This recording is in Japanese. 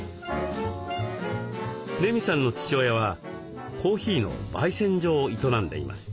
麗美さんの父親はコーヒーのばい煎所を営んでいます。